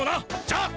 じゃあ！